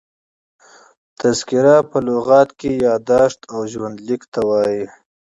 تذکره په لغت کښي یاداشت او ژوند لیک ته وايي.